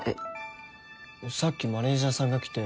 さっきマネージャーさんが来て。